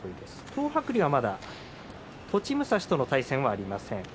東白龍は、まだ栃武蔵との対戦はありません。